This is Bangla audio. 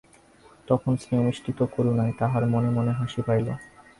তখন স্নেহমিশ্রিত করুণায় তাহার মনে মনে হাসি পাইল।